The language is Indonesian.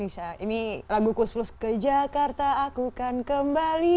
ini lagu kus plus ke jakarta aku akan kembali